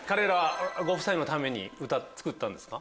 ご夫妻のために作ったんですか？